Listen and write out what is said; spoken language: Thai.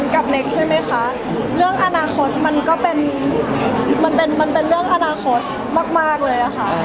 กับเล็กใช่มั้ยคะเรื่องอนาคตมันก็เป็นเรื่องอนาคตมากเลยอ่ะค่ะ